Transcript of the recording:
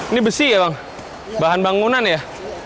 ini besi ya bang bahan bangunan ya